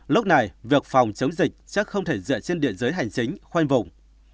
lúc này việc phòng chống dịch chắc không thể dựa trên địa giới hành chính khoanh vụng